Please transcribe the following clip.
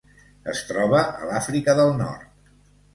Es troba a l'Àfrica del Nord: